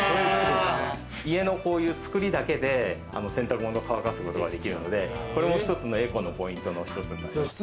家のこういう作りだけで、洗濯物を乾かすことができるので、これも一つの、エコのポイントの一つになってます。